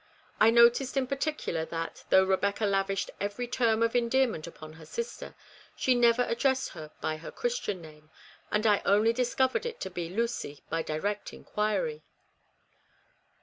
I noticed in particular that, though Eebecca lavished every term of endearment upon her sister, she never addressed her by her Christian name, and I only discovered it to be Lucy by direct inquiry.